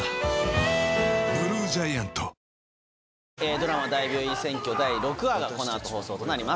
ドラマ『大病院占拠』第６話がこの後放送となります。